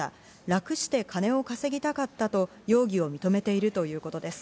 楽して金を稼ぎたかったと容疑を認めているということです。